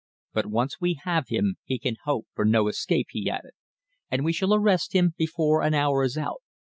But once we have him he can hope for no escape," he added. "And we shall arrest him before an hour is out.